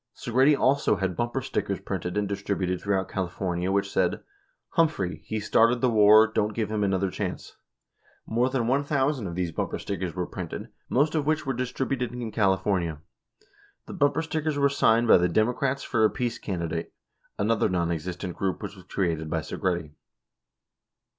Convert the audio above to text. Segretti also had bumper stickers printed and distributed through out California which said: "Humphrey: He started the Avar, don't give him another chance." More than 1,000 of these bumper stickers were printed, most of which were distributed in California. The bumper stickers were signed by the "Democrats for a Peace Candi date," another nonexistent group which was created by Segretti.